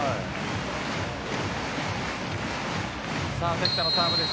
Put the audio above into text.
関田のサーブです。